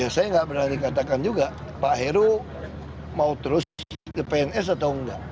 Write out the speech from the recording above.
ya saya nggak berani katakan juga pak heru mau terus di pns atau nggak